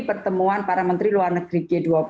pertemuan para menteri luar negeri